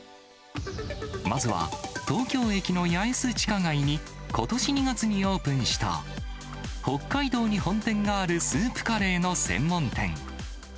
まずは東京駅の八重洲地下街に、ことし２月にオープンした、北海道に本店があるスープカレーの専門店。